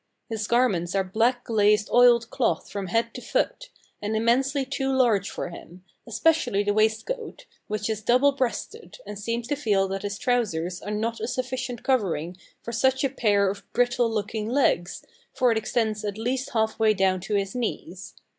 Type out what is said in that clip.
His garments are black glazed oiled cloth from head to foot, and immensely too large for him, especially the waistcoat, which is double breasted, and seems to feel that his trousers are not a sufficient covering for such a pair of brittle looking legs, for it extends at least half way down to his knees.